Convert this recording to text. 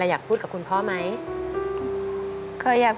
รักมากรักมากทั้งสองคนเลยครับ